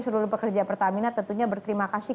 seluruh pekerja pertamina tentunya berterima kasih